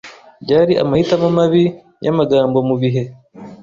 Byari amahitamo mabi yamagambo mubihe.